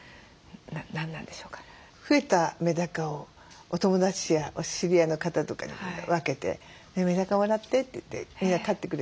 増えたメダカをお友達やお知り合いの方とかに分けて「メダカもらって」って言ってみんな飼ってくれて。